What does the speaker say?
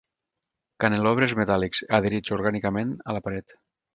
Canelobres metàl·lics adherits orgànicament a la paret.